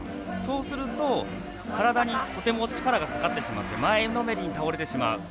そうすると体にとても力がかかってしまって前のめりに倒れてしまう。